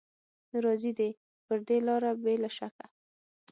نو راځي دې پر دې لاره بې له شکه